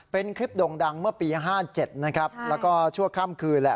เป็นคลิปโด่งดังเมื่อปี๕๗นะครับแล้วก็ชั่วค่ำคืนแหละ